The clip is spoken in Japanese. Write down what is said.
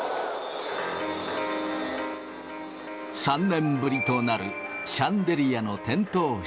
３年ぶりとなるシャンデリア